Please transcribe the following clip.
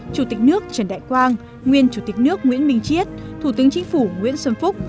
chủ tịch nước trần đại quang nguyên chủ tịch nước nguyễn minh chiết thủ tướng chính phủ nguyễn xuân phúc